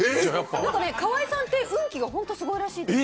川合さんって運気がすごいらしいんです。